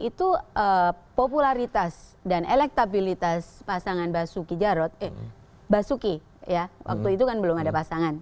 itu popularitas dan elektabilitas pasangan basuki jarod eh basuki ya waktu itu kan belum ada pasangan